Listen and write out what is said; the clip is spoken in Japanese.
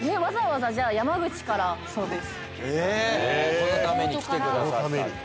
このために来てくださったと。